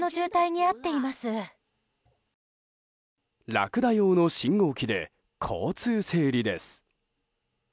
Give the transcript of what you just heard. ラクダ用の信号機で交通整理です。